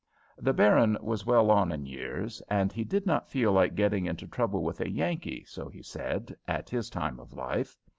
The baron was well on in years, and he did not feel like getting into trouble with a Yankee, so he said, at his time of life.